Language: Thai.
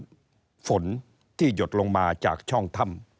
ฝนที่หยดลงมาจากช่องถ้ำ